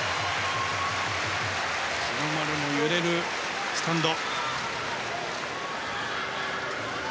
日の丸も揺れるスタンド。